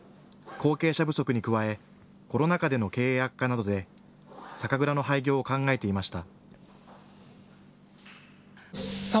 後継者不足に加えコロナ禍での経営悪化などで酒蔵の廃業を考えていました。